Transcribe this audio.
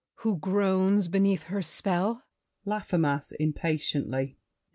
Who groans beneath her spell? LAFFEMAS (impatiently). There's one?